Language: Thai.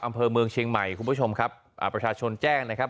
อำเภอเมืองเชียงใหม่คุณผู้ชมครับอ่าประชาชนแจ้งนะครับ